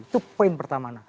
itu poin pertama